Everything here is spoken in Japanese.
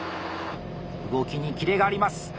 動きにキレがあります。